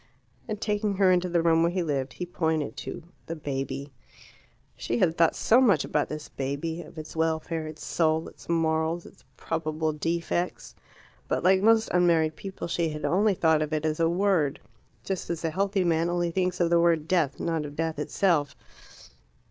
And taking her into the room where he lived, he pointed to the baby. She had thought so much about this baby, of its welfare, its soul, its morals, its probable defects. But, like most unmarried people, she had only thought of it as a word just as the healthy man only thinks of the word death, not of death itself.